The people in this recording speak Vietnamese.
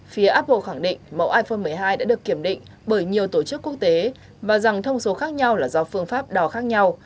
phía apple khẳng định mẫu iphone một mươi hai đã được kiểm định bởi nhiều tổ chức quốc tế và rằng thông số khác nhau là do phương pháp đò khác nhau